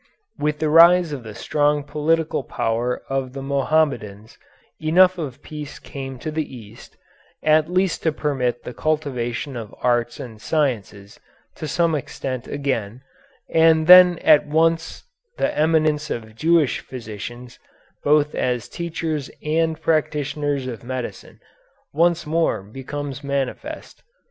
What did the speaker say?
With the rise of the strong political power of the Mohammedans enough of peace came to the East at least to permit the cultivation of arts and sciences to some extent again, and then at once the eminence of Jewish physicians, both as teachers and practitioners of medicine, once more becomes manifest.